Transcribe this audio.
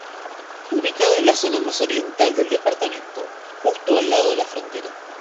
Ubicada en la zona más oriental del departamento, justo al lado de la frontera.